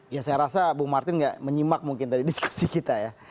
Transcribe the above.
ya saya rasa bung martin nggak menyimak mungkin tadi diskusi kita ya